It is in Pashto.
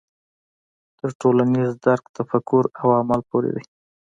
تر ټولنیز درک تفکر او عمل پورې دی.